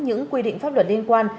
những quy định pháp luật liên quan